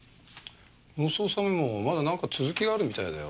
この捜査メモまだなんか続きがあるみたいだよ。